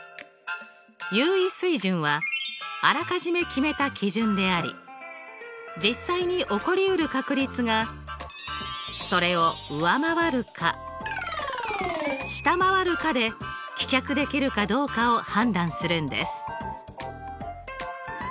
有意水準はあらかじめ決めた基準であり実際に起こりうる確率がそれを上回るか下回るかで棄却できるかどうかを判断するんです。